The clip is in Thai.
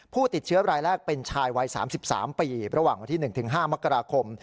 ผู้ติดเชื้อรายแรกเป็นชายวัย๓๓ปีระหว่างวันที่๑๕มกราคม